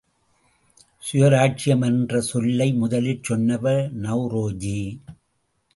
சுயராஜ்யம் என்றசொல்லை முதலில் சொன்னவர் நெளரோஜி!